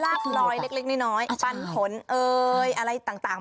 ลอยเล็กน้อยปันผลเอ่ยอะไรต่าง